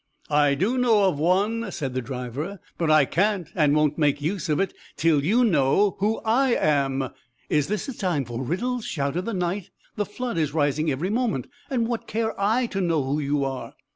"I do know of one," said the driver, "but I can't and won't make use of it, till you know who I am." "Is this a time for riddles?" shouted the Knight; "the flood is rising every moment, and what care I to know who you are?"